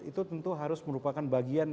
itu tentu harus merupakan bagian